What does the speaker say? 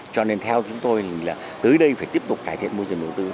cho nên theo chúng tôi là tới đây phải tiếp tục cải thiện môi trường đầu tư